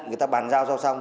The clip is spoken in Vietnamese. người ta bàn giao sau xong